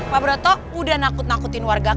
pak broto udah nakut nakutin warga